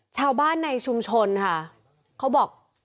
ชาวบ้านในชุมชนค่ะเขาบอก